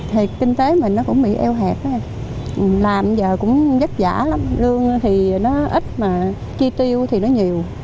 thì kinh tế mình nó cũng bị eo hẹp làm giờ cũng vất vả lắm lương thì nó ít mà chi tiêu thì nó nhiều